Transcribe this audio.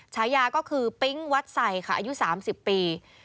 ฉายาก็คือปิ๊งวัดใส่ค่ะอายุ๓๐ปี